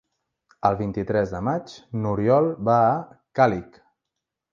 El vint-i-tres de maig n'Oriol va a Càlig.